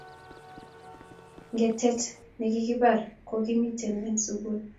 Ngetet nekikibar ko kimite n sukul